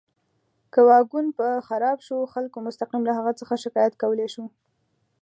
که واګون به خراب شو، خلکو مستقیم له هغه څخه شکایت کولی شو.